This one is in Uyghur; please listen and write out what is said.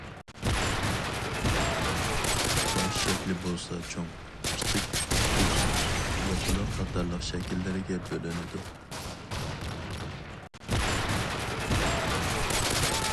باش شەكلى بولسا چوڭ، كىچىك، تۈز، ياپىلاق قاتارلىق شەكىللەرگە بۆلىنىدۇ.